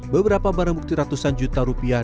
beberapa barang bukti ratusan juta rupiah